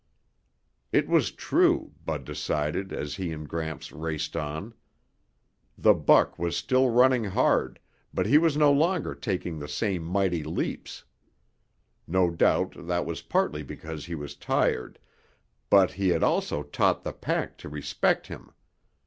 It was true, Bud decided as he and Gramps raced on. The buck was still running hard, but he was no longer taking the same mighty leaps. No doubt that was partly because he was tired, but he had also taught the pack to respect him.